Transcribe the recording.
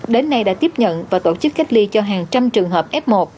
đến nay đã tiếp nhận và tổ chức cách ly cho hàng trăm trường hợp f một